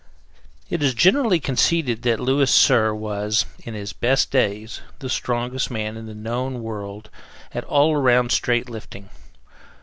It is generally conceded that Louis Cyr was, in his best days, the strongest man in the known world at all round straight lifting.